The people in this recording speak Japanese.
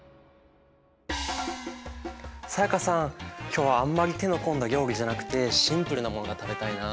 今日はあんまり手の込んだ料理じゃなくてシンプルなものが食べたいな。